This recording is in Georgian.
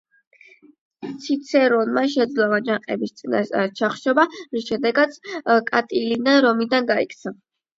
ციცერონმა შეძლო ამ აჯანყების წინასწარ ჩახშობა, რის შემდეგაც კატილინა რომიდან გაიქცა.